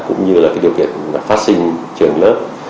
cũng như điều kiện phát sinh trường lớp